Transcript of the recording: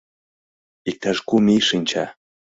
— Иктаж кум ий шинча...